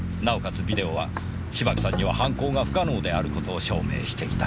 ビデオは芝木さんには犯行が不可能である事を証明していた。